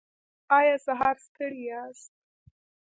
ایا سهار ستړي یاست؟